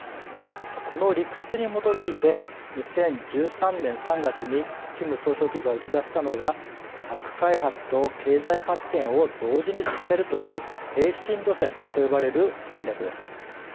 この理屈に基づいて２０１３年３月にキム総書記が打ち出したのが核開発と経済発展を同時に進めるという並進路線と呼ばれる戦略です。